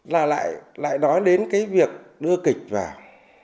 là lại nói đến cái việc đưa kịch vào